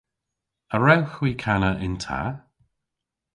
A wrewgh hwi kana yn ta?